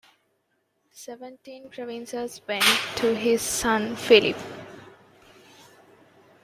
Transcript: The Seventeen Provinces went to his son Philip.